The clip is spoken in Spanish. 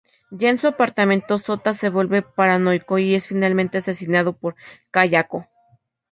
Ya en su apartamento Sota se vuelve paranoico y es finalmente asesinado por Kayako.